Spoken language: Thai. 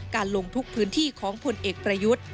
ลงทุกพื้นที่ของผลเอกประยุทธ์